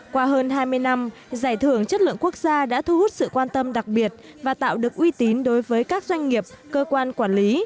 qua hơn hai mươi năm giải thưởng chất lượng quốc gia đã thu hút sự quan tâm đặc biệt và tạo được uy tín đối với các doanh nghiệp cơ quan quản lý